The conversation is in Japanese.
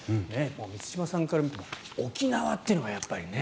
満島さんから見ても沖縄というのがやっぱりね。